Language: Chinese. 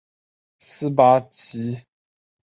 施巴旗下的皮肤护理医学用品品牌名称。